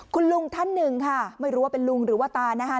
คุณลุงท่านหนึ่งค่ะไม่รู้ว่าเป็นลุงหรือว่าตานะคะ